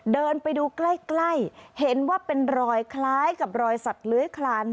เดินไปดูใกล้ใกล้เห็นว่าเป็นรอยคล้ายกับรอยสัตว์เลื้อยคลาน